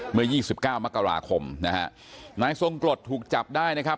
เมื่อ๒๙มกราคมนะฮะนายทรงกฎถูกจับได้นะครับ